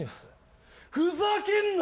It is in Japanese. ふざけんな！